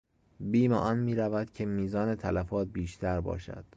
بیم آن میرود که میزان تلفات بیشتر باشد.